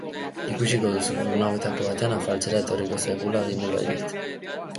Ikusiko duzu, egun hauetako batean afaltzera etorriko zaigula agindu baitit.